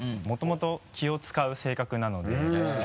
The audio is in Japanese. もともと気を使う性格なので。